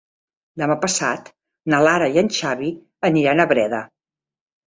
Demà passat na Lara i en Xavi aniran a Breda.